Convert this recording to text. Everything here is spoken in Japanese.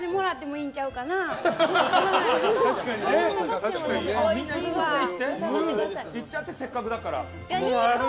みんないっちゃってせっかくだから。